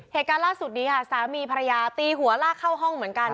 เหตุการณ์ล่าสุดนี้ค่ะสามีภรรยาตีหัวลากเข้าห้องเหมือนกัน